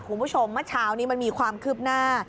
คุณผู้ชมเมื่อเช้านี้มันมีความคืบหน้า